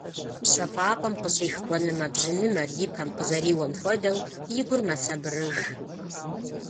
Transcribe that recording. ПщэфӀапӀэм къыщӀих къуэнымэ-бжьынымэр и пэм къызэриуэм хуэдэу, и гур мэсабырыж.